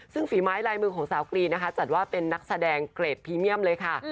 ซึ่งฝีไม้ลายมือของสาวกรีนนะคะจัดว่าเป็นนักแสดงเกรดพรีเมียมเลยค่ะ